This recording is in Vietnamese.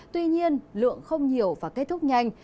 tuy nhiên lượng không nhiều và kết thúc nhanh